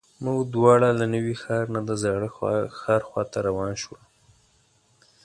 موږ دواړه له نوي ښار نه د زاړه ښار خواته روان شولو.